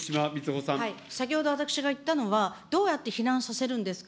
先ほど私が言ったのは、どうやって避難させるんですか。